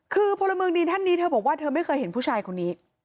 คือพลเมืองดีท่านนี้เธอบอกว่าเธอไม่เคยเห็นผู้ชายคนนี้